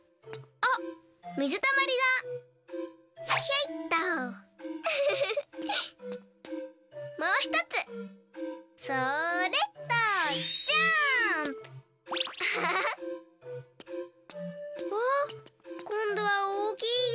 わっこんどはおおきいよ。